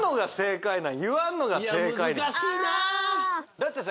だってさ